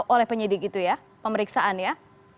oleh penyidik itu ya pemeriksaan ya